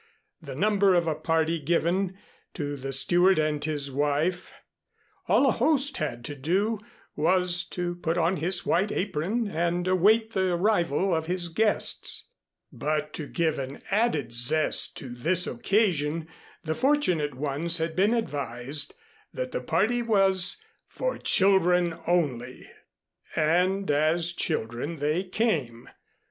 The number of a party given, to the steward and his wife, all a host had to do was to put on his white apron and await the arrival of his guests. But to give an added zest to this occasion the fortunate ones had been advised that the party was "for children only." And as children they came.